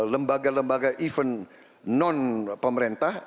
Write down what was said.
lembaga lembaga event non pemerintah